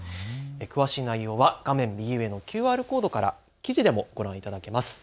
詳しい内容は画面右上のＱＲコードから記事でもご覧いただけます。